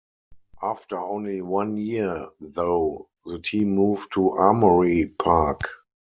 After only one year, though, the team moved to Armory Park.